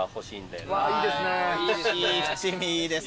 おいしい七味いいですね。